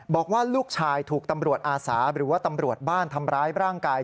บอกว่าลูกชายถูกตำรวจอาสาหรือว่าตำรวจบ้านทำร้ายร่างกาย